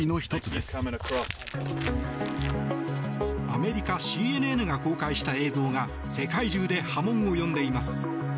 アメリカＣＮＮが公開した映像が世界中で波紋を呼んでいます。